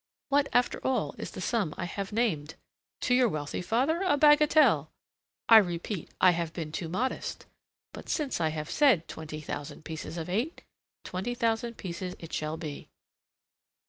What, after all, is the sum I have named? To your wealthy father a bagatelle. I repeat, I have been too modest. But since I have said twenty thousand pieces of eight, twenty thousand pieces it shall be."